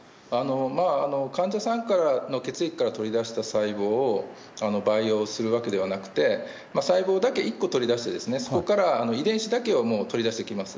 患者さんからの血液から取り出した細胞を培養するわけではなくて、細胞だけ１個取り出して、そこから遺伝子だけを取り出してきます。